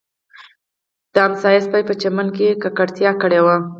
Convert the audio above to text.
د ګاونډي سپي په چمن کې ککړتیا کړې وي